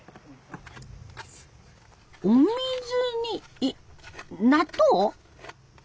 お水に納豆？